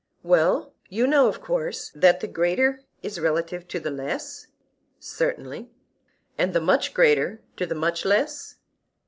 Well, you know of course that the greater is relative to the less? Certainly. And the much greater to the much less?